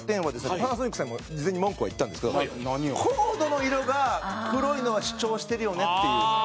パナソニックさんにも事前に文句は言ったんですけどコードの色が黒いのは主張してるよねっていう。